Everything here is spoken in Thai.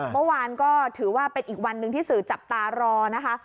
เมื่อวานก็ถือว่าเป็นอีกวันหนึ่งที่สื่อจับตารอนะคะ